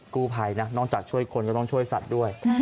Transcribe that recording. กู้ภัยนะนอกจากช่วยคนก็ต้องช่วยสัตว์ด้วย